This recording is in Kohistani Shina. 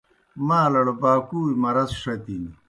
مالوڑ باکُوئی مرض ݜتِن۔